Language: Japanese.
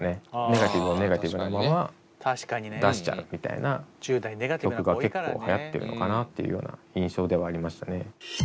ネガティブをネガティブのまま出しちゃうみたいな曲が結構はやってるのかなっていうような印象ではありましたね。